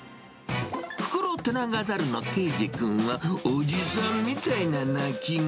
フクロテナガザルのケイジくんは、おじさんみたいな鳴き声。